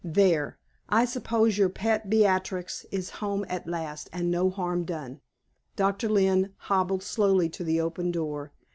There, I suppose your pet Beatrix is home at last, and no harm done." Doctor Lynne hobbled slowly to the open door.